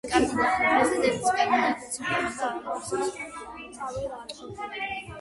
პრეზიდენტობის კანდიდატად დასახელდა კომპრომისული კანდიდატი ჯონ დეივისი, ხოლო ვიცე-პრეზიდენტობის კანდიდატი ჩარლზ ბრაიანი გახდა.